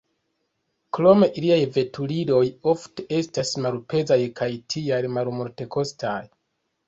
Krome iliaj veturiloj ofte estas malpezaj kaj tial malmultekostaj.